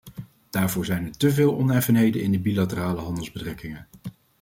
Daarvoor zijn er te veel oneffenheden in de bilaterale handelsbetrekkingen.